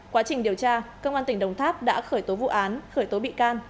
quá trình điều tra công an tỉnh đồng tháp đã khởi tố vụ án khởi tố bị can